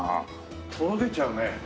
とろけちゃうね。